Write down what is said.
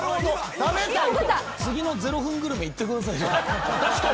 次の０分グルメ行ってください。